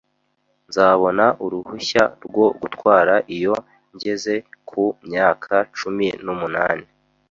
Nzabona uruhushya rwo gutwara iyo ngeze ku myaka cumi n'umunani